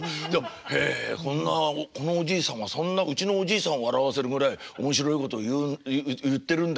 へえこのおじいさんはうちのおじいさんを笑わせるぐらい面白いことを言ってるんだ